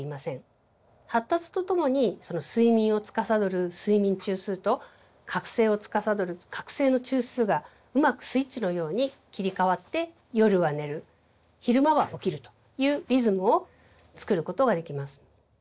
発達とともにその睡眠をつかさどる睡眠中枢と覚醒をつかさどる覚醒の中枢がうまくスイッチのように切り替わって夜は寝る昼間は起きるというリズムをつくることができます。